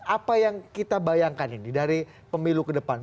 apa yang kita bayangkan ini dari pemilu ke depan